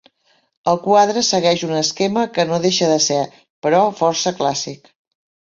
El quadre segueix un esquema que no deixa de ser, però, força clàssic.